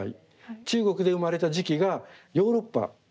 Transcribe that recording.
中国で生まれた磁器がヨーロッパアメリカ。